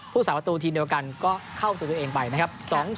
ผู้สาวอธิษฐีเดียวกันก็เข้าตัวเองไปนะครับ